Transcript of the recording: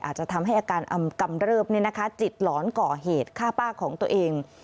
อาจจะทำให้อาการอำกำเริบเนี่ยนะคะจิตหลอนก่อเหตุค่าป้าของตัวเอง